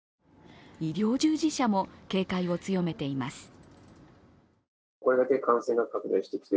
医療従事者も警戒を強めています。